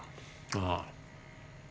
ああ。